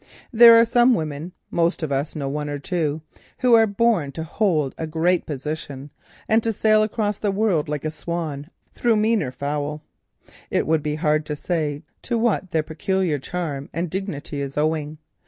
There are some women—most of us know one or two—who are born to hold a great position and to sail across the world like a swan through meaner fowl. It would be very hard to say to what their peculiar charm and dignity is owing.